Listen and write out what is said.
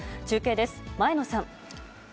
中継です、前野さん。